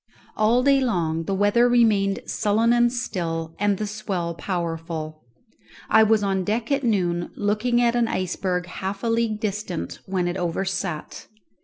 All day long the weather remained sullen and still, and the swell powerful. I was on deck at noon, looking at an iceberg half a league distant when it overset.